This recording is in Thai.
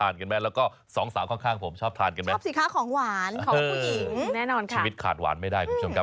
นี้กับพวกเรา๓คนนะครับ